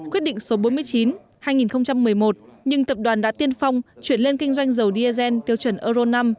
quyết định số bốn mươi chín hai nghìn một mươi một nhưng tập đoàn đã tiên phong chuyển lên kinh doanh dầu diesel tiêu chuẩn euro năm